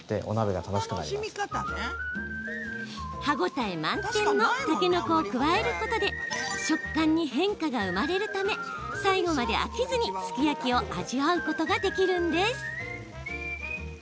歯応え満点のたけのこを加えることで食感に変化が生まれるため最後まで飽きずにすき焼きを味わうことができるんです。